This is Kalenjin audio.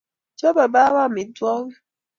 Chobe baba amitwogik